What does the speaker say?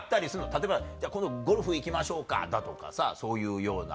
例えば「今度ゴルフ行きましょうか」だとかさそういうような。